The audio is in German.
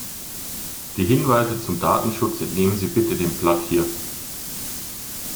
Die Hinweise zum Datenschutz entnehmen Sie bitte dem Blatt hier.